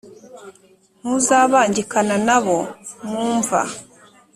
Ntuzabangikana na bo mu mva,